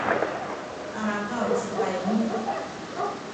talakaw ci Taymu